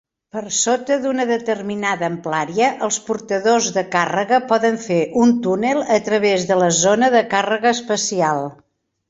Per sota d'una determinada amplària, els portadors de càrrega poden fer un túnel a través de la zona de càrrega espacial.